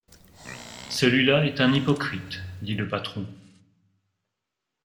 Celui-là est un hypocrite, dit le patron.